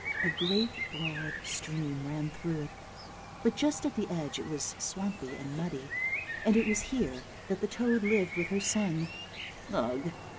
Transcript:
A great broad stream ran through it, but just at the edge it was swampy and muddy, and it was here that the toad lived with her son. Ugh!